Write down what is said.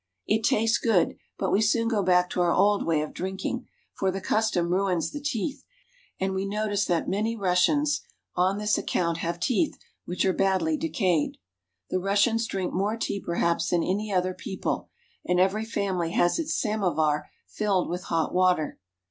It tastes good, but we soon go back to our old way of drinking, for the custom ruins the teeth, and we notice that many Russians on this ac count have teeth which are badly decayed. The Russians drink more tea perhaps than any other people, and every family has its samovar filled with hot water.